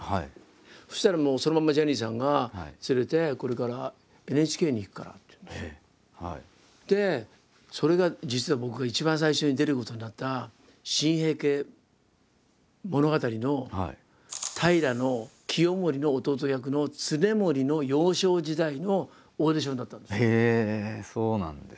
そしたらもうそのままジャニーさんが連れてそれが実は僕が一番最初に出ることになった「新・平家物語」の平清盛の弟役の経盛の幼少時代のオーディションだったんです。